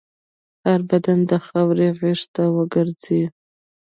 هر بدن د خاورې غېږ ته ورګرځي.